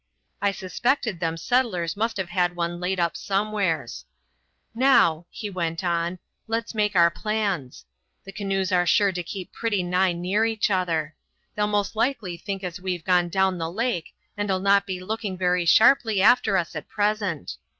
I suspected them settlers must have had one laid up somewheres. Now," he went on, "let's make our plans. The canoes are sure to keep pretty nigh each other. They'll most likely think as we've gone down the lake and'll not be looking very sharply after us at present.